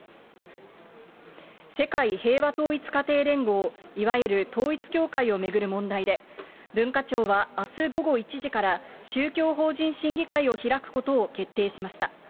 世界平和統一家庭連合、いわゆる統一教会を巡る問題で、文化庁はあす午後１時から、宗教法人審議会を開くことを決定しました。